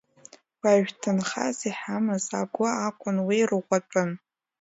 Уажә ҭынхас иҳамаз агәы акәын, уи рӷәӷәатәын.